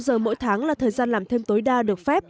một trăm linh giờ mỗi tháng là thời gian làm thêm tối đa được phép